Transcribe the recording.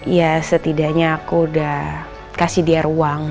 ya setidaknya aku udah kasih dia ruang